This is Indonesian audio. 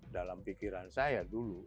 dalam pikiran saya dulu